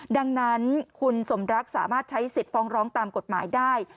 ดังนั้นคุณสมรักสามารถใช้สิทธิ์ฟ้องร้องตามกฎหมายได้